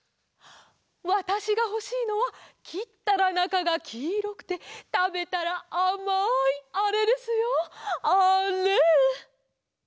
わたしがほしいのはきったらなかがきいろくてたべたらあまいあれですよあれ！